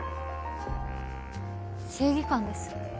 正義感です。